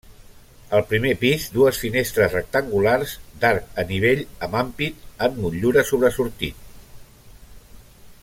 Al primer pis dues finestres rectangulars d'arc a nivell amb ampit amb motllura sobresortit.